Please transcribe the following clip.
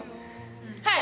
はい！